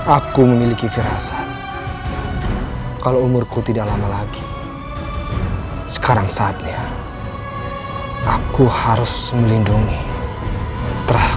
aku memiliki firasa kalau umurku tidak lama lagi sekarang saatnya aku harus melindungi